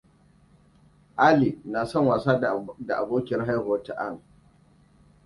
Ally na son wasa da abokiyar haihuwarta Anne.